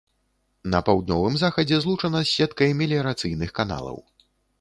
На паўднёвым захадзе злучана з сеткай меліярацыйных каналаў.